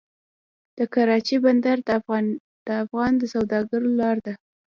د کراچۍ بندر د افغان سوداګرو لاره ده